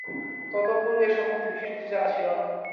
তৎপূর্বে এ-সম্বন্ধে বিশেষ কিছু জানা ছিল না।